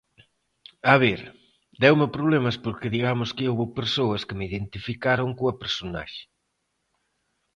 A ver, deume problemas porque digamos que houbo persoas que me identificaron coa personaxe.